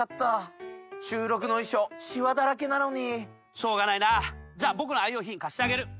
しょうがないなぁじゃ僕の愛用品貸してあげる。